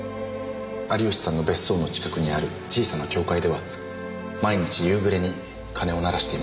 有吉さんの別荘の近くにある小さな教会では毎日夕暮れに鐘を鳴らしていました。